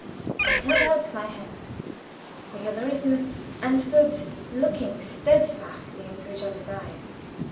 I held out my hand. We had risen, and stood looking steadfastly into each other's eyes.